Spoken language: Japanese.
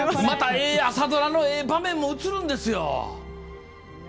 また、ええ朝ドラの場面も映るんですよ！